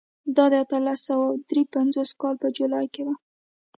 دا د اتلس سوه درې پنځوس کال په جولای کې و.